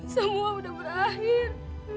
semua udah berakhir